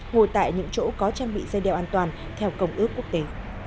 ngồi tại những chỗ có trang bị dây đeo an toàn theo công ước quốc tế